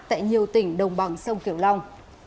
tại nhiều tỉnh đồng bằng sông kiểu long